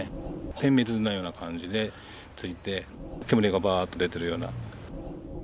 点滅のような感じでついて、煙がばーっと出てるような。